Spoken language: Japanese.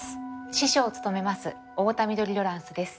司書を務めます太田緑ロランスです。